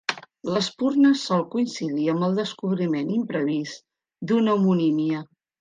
L'espurna sol coincidir amb el descobriment imprevist d'una homonímia.